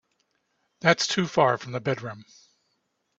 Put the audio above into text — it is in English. That's too far from the bedroom.